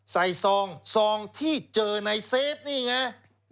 ซองซองที่เจอในเซฟนี่ไง